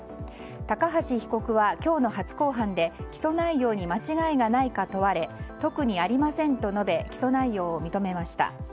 高橋被告は、今日の初公判で起訴内容に間違いがないか問われ特にありませんと述べ起訴内容を認めました。